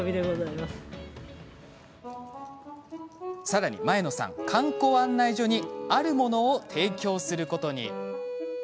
さらに前野さん、観光案内所にあるものを提供することに。